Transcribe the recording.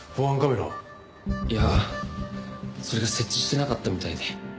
いやそれが設置してなかったみたいで。